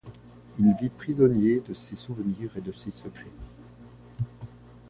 Il vit prisonnier de ses souvenirs et de ses secrets.